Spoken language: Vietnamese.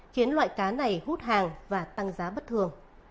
khiến loại cá này hút hàng và tăng giá bất thường